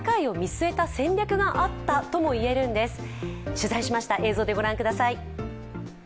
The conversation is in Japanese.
取材しました、映像でご覧ください